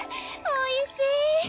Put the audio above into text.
おいしい！